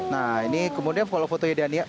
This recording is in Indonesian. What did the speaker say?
nah ini kemudian kalau fotonya dhania